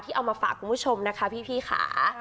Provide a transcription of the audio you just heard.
เอามาฝากคุณผู้ชมนะคะพี่ค่ะ